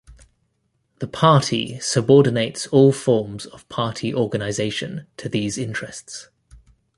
The Party subordinates all forms of Party organization to these interests.